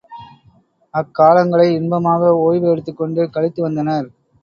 அக்காலங்களை இன்பமாக ஓய்வு எடுத்துக்கொண்டு கழித்து வந்தனர்.